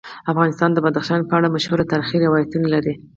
افغانستان د بدخشان په اړه مشهور تاریخی روایتونه لري.